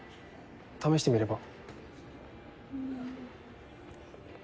試してみれば？